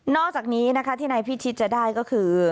นอกจากนี้ที่ในพิจิตรจะได้ก็คือ